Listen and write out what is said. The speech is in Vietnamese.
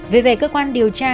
về về cơ quan điều tra